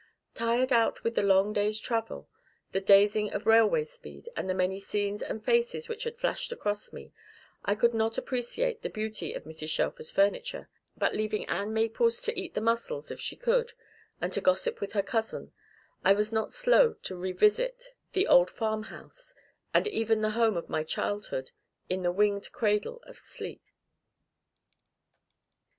Tired out with the long day's travel, the dazing of railway speed, and the many scenes and faces which had flashed across me, I could not appreciate the beauty of Mrs. Shelfer's furniture; but leaving Ann Maples to eat the muscles, if she could, and to gossip with her cousin, I was not slow to revisit the old farmhouse, and even the home of my childhood, in the winged cradle of sleep.